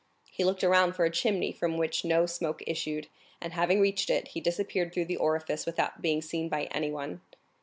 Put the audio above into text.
He looked around for a chimney from which no smoke issued, and having reached it, he disappeared through the orifice without being seen by anyone.